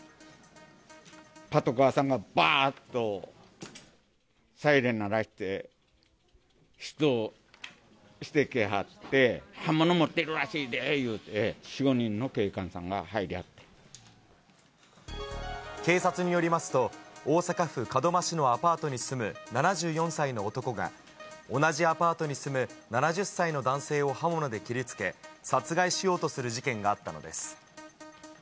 パトカーさんが、ばーっとサイレン鳴らして、出動してきはって、刃物持ってるらしいでいうて、４、５人の警官警察によりますと、大阪府門真市のアパートに住む７４歳の男が、同じアパートに住む７０歳の男性を刃物で切りつけ、殺害しようとする事件があったのです。